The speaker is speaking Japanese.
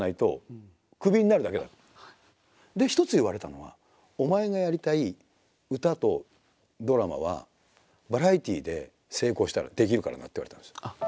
で一つ言われたのが「お前がやりたい歌とドラマはバラエティーで成功したらできるからな」って言われたんですよ。